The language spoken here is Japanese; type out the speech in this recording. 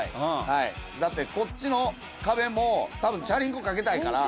だってこっちの壁も多分チャリンコ掛けたいから。